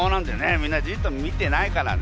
みんなじっと見てないからね。